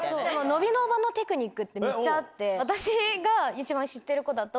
飲みの場のテクニックってめっちゃあって。